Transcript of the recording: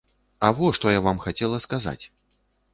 А во што я вам хацела сказаць.